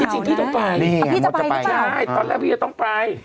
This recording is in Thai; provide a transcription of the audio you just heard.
พี่จะไปหรือเปล่าตอนแรกพี่จะต้องไป